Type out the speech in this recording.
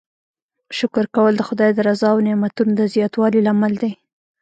شکر کول د خدای د رضا او نعمتونو د زیاتوالي لامل دی.